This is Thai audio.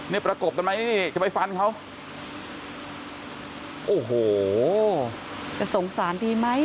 นี่ประกบกันไหมนี่จะไปฟันเขาโอ้โหจะสงสารดีไหม